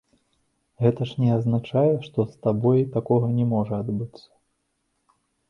Гэта ж не азначае, што з табой такога не можа адбыцца.